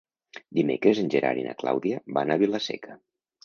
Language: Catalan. Dimecres en Gerard i na Clàudia van a Vila-seca.